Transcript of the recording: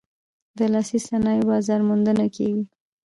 د لاسي صنایعو بازار موندنه کیږي؟